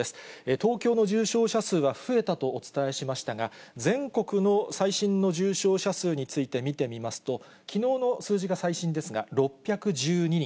東京の重症者数は増えたとお伝えしましたが、全国の最新の重症者数について見てみますと、きのうの数字が最新ですが、６１２人。